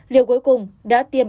liều cuối cùng đã tiêm